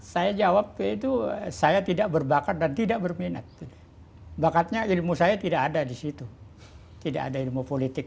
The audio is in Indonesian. saya jawab itu saya tidak berbakat dan tidak berminat bakatnya ilmu saya tidak ada di situ tidak ada ilmu politik